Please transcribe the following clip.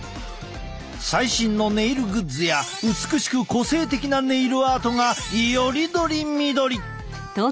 最新のネイルグッズや美しく個性的なネイルアートがより取り見取り！